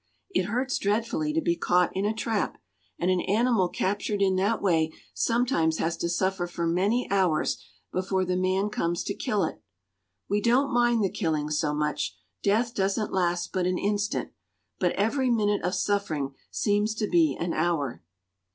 It hurts dreadfully to be caught in a trap, and an animal captured in that way sometimes has to suffer for many hours before the man comes to kill it. We don't mind the killing so much. Death doesn't last but an instant. But every minute of suffering seems to be an hour."